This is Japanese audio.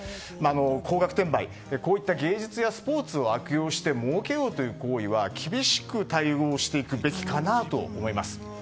高額転売、こういった芸術やスポーツを悪用してもうけようという行為は、厳しく対応していくべきと思います。